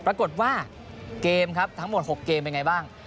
ปรากฏว่าเกมครับทั้งหมด๖เกมเป็นไงบ้าง